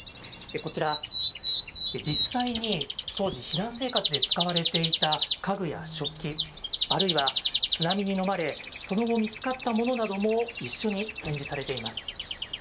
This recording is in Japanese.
こちら、実際に当時、避難生活で使われていた家具や食器、あるいは津波にのまれ、その後見つかったものなども一緒に展示されています。